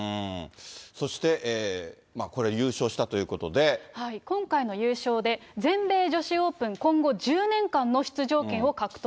そして、これ、今回の優勝で、全米女子オープン、今後１０年間の出場権を獲得。